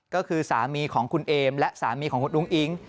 ก็คือสามีของคุณเอมและสามีของคุณอุ้งอิ๊ง